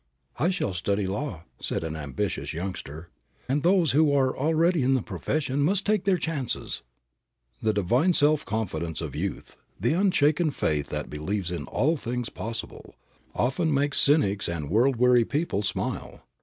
"I shall study law," said an ambitious youngster, "and those who are already in the profession must take their chances!" The divine self confidence of youth, the unshaken faith that believes all things possible, often makes cynics and world weary people smile.